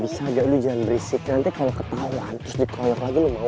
bisa gak lo jangan berisik nanti kalo ketauan terus dikoyok lagi lo mau